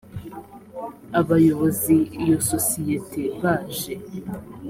abayobozi iyo sosiyete baje